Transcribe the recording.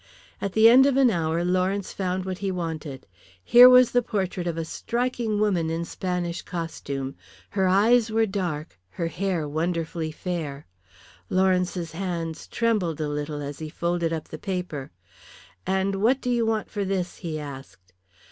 At the end of an hour Lawrence found what he wanted. Here was the portrait of a striking woman in Spanish costume, her eyes were dark, her hair wonderfully fair. Lawrence's hands trembled a little as he folded up the paper. "And what do you want for this?" he asked.